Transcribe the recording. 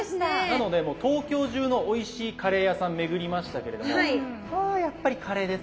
なので東京中のおいしいカレー屋さん巡りましたけれどもやっぱりカレーですよ。